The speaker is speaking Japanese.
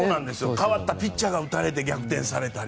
代わったピッチャーが打たれて逆転されたり。